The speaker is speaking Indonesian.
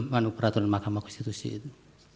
manu peraturan mahkamah konstitusi itu